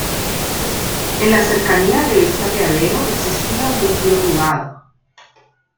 En las cercanías de este apeadero existía un desvío privado.